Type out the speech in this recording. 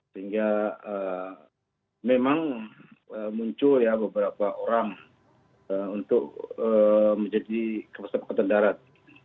sehingga memang muncul ya beberapa orang untuk menjadi kepala staf angkatan darat